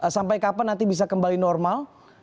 sampai kapan nanti bisa kembali normal